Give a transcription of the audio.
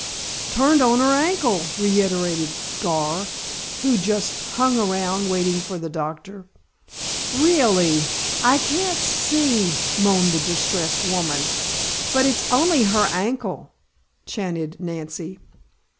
"Turned on her ankle," reiterated Gar, who just "hung around" waiting for the doctor. "Really, I can't see " moaned the distressed woman. "But it's only her ankle," chanted Nancy.